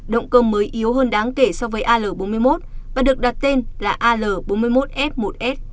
động cơ mới yếu hơn đáng kể so với al bốn mươi một và được đặt tên là al bốn mươi một f một s